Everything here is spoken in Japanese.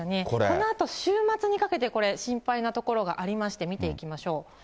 そのあと週末にかけてこれ、心配なところがありまして、見ていきましょう。